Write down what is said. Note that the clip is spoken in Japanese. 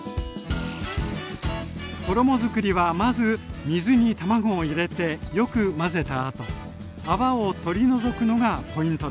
衣づくりはまず水に卵を入れてよく混ぜたあと泡を取り除くのがポイントです。